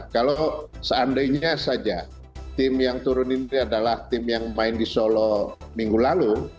kalau seandainya saja tim yang turun ini adalah tim yang main di solo minggu lalu